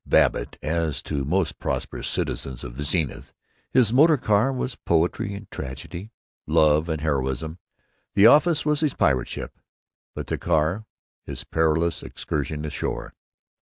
Babbitt, as to most prosperous citizens of Zenith, his motor car was poetry and tragedy, love and heroism. The office was his pirate ship but the car his perilous excursion ashore.